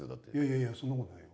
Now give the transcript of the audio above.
いやいやそんな事ない。